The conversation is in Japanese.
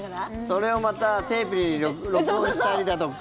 それをまたテープに録音したりだとか。